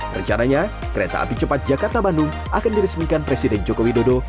rencananya kereta api cepat jakarta bandung akan dirismikan presiden jokowi dukuhu